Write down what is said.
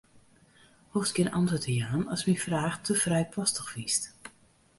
Hoechst gjin antwurd te jaan ast myn fraach te frijpostich fynst.